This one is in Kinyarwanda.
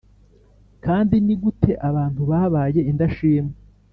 Kandi ni gute abantu babaye indashima